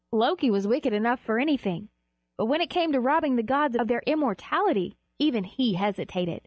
Loki was wicked enough for anything; but when it came to robbing the gods of their immortality, even he hesitated.